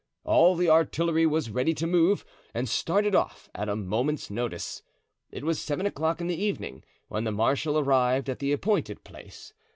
All the artillery was ready to move, and started off at a moment's notice. It was seven o'clock in the evening when the marshal arrived at the appointed place.